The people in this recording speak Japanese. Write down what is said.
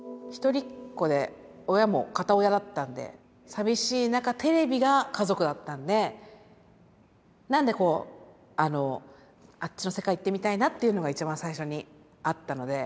寂しい中テレビが家族だったんでなのでこうあっちの世界行ってみたいなっていうのが一番最初にあったので。